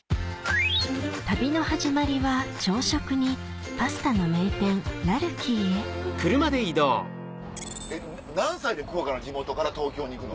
旅の始まりは朝食にパスタの名店らるきいへ何歳で地元から東京に行くの？